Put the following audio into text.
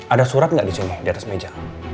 ada surat nggak di sini di atas meja